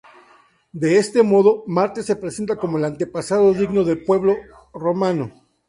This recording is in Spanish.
De este modo, Marte se presenta como el antepasado digno del pueblo romano.